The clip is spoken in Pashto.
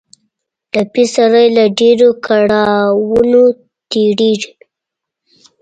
ټپي سړی له ډېرو کړاوونو تېرېږي.